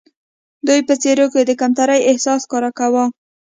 دوی په څېرو کې د کمترۍ احساس ښکاره کاوه.